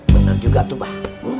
bener juga tuh pak